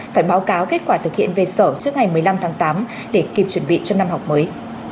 phải báo cáo kết quả thực hiện về sở trước ngày một mươi năm tháng tám để kịp chuẩn bị cho năm học mới